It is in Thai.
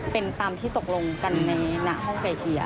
เป็นตามที่ตกลงกันในห้องเบี้ย